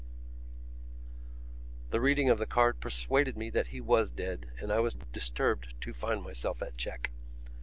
P._ The reading of the card persuaded me that he was dead and I was disturbed to find myself at check.